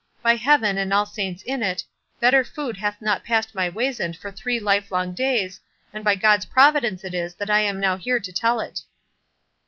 By Heaven, and all saints in it, better food hath not passed my weasand for three livelong days, and by God's providence it is that I am now here to tell it."